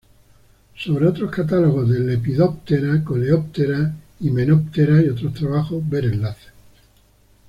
Sobre otros Catálogos de Lepidoptera, Coleoptera, Hymenoptera, y otros trabajos ver enlaces